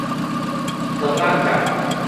糖仔角